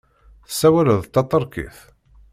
Tessawaleḍ taṭerkit?